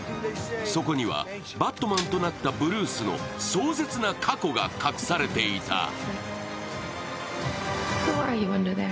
そこには、バットマンとなったブルースの壮絶な過去が隠されていた。